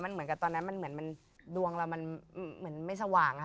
เหมือนกับตอนนั้นมันเหมือนดวงเรามันเหมือนไม่สว่างอะค่ะ